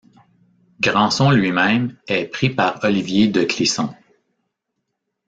Granson lui-même est pris par Olivier de Clisson.